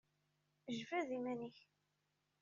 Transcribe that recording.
Jbed iman-ik!